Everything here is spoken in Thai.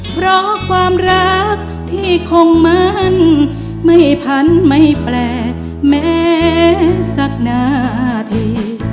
เพราะความรักที่คงมั่นไม่พันไม่แปลแม้สักนาที